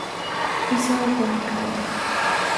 Iso téñoo claro.